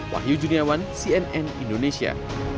wahyu juniawan cnn indonesia